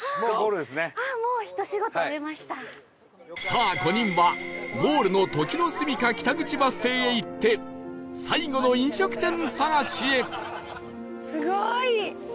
さあ５人はゴールの時之栖北口バス停へ行って最後の飲食店探しへ